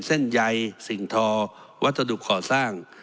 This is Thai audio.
เส้นใยสิ่งทอวัสดุก่อสร้าง